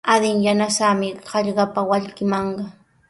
Adin yanasaami hallqapa wallkimanqa.